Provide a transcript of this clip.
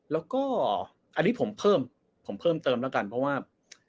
แล้วก็อันนี้ผมเพิ่มผมเพิ่มเติมแล้วกันเพราะว่า